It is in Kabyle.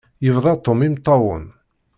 Yebda Tom imeṭṭawen.